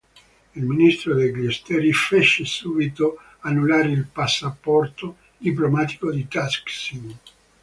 Il ministro degli Esteri fece subito annullare il passaporto diplomatico di Thaksin.